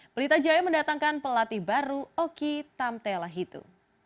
pelita jaya mendatangkan pelatih baru oki tamtela hitu